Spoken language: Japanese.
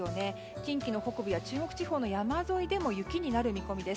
近畿の北部や中国地方の山沿いでも雪になる見込みです。